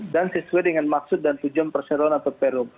dan sesuai dengan maksud dan tujuan perseroan atau perum